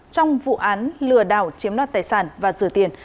trong vụ án lừa đảo chiếm đoạt tài sản và rửa tiền